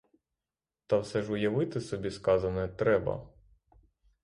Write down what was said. Та все ж уявити собі сказане треба.